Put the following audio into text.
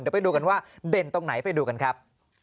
เดี๋ยวไปดูกันว่าเด่นตรงไหนไปดูกันครับ